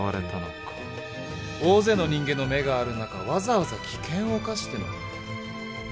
大勢の人間の目がある中わざわざ危険を冒してまで？